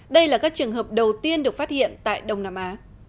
đây là các trường hợp đầu tiên được phát hiện tại đông nam á